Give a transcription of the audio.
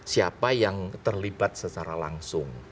siapa yang terlibat secara langsung